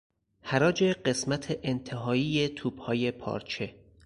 حراج قسمت انتهایی توپهای پارچه